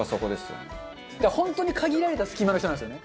本当に限られた隙間の人なんですよね。